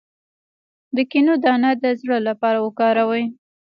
د کینو دانه د زړه لپاره وکاروئ